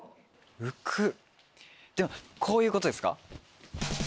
浮くでもこういうことですか？